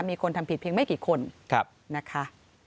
มีคนทำผิดเพียงไม่กี่คนนะคะ